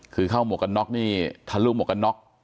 คือเข้าหมวกกันน็อกนี่ทะลุหมวกกันน็อก